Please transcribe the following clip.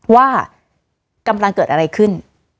ว่ากำลังเกิดอะไรขึ้น